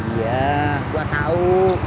iya gue tau